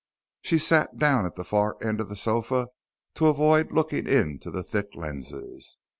She sat down at the far end of the sofa to avoid looking into the thick lenses.